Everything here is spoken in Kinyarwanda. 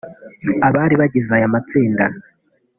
Abari bagize aya matsinda